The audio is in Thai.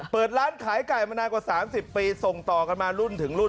เปิดร้านขายไก่มานานกว่า๓๐ปีส่งต่อกันมารุ่นถึงรุ่น